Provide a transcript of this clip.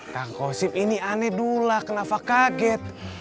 kang kosip ini aneh dulu lah kenapa kaget